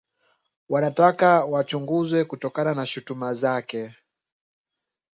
Wanataka wachunguzwe kutokana na shutuma zake